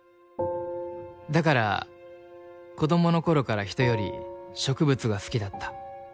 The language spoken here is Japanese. だから子供の頃から人より植物が好きだった。